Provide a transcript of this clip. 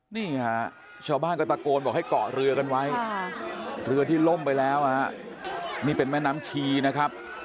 นี่ฮะชาวบ้านก็ตะโกนบอกให้เกาะเรือกันไว้เรือที่ล่มไปแล้วนี่เป็นแม่น้ำชีนะครับ